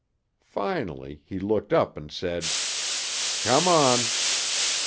Finally he looked up and said, "Come on."